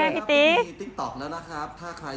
พี่ติ๊ก